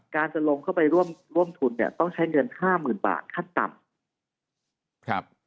การจะลงเข้าไปร่วมทุนเนี่ยต้องใช้เงิน๕๐๐๐๐บาทค่าต่ำ